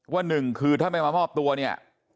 หนึ่งคือถ้าไม่มามอบตัวเนี่ย